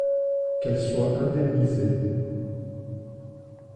Qu’elle soit indemnisée.